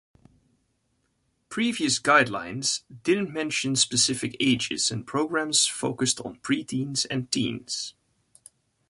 Previous guidelines didn't mention specific ages, and programs focused on preteens and teens.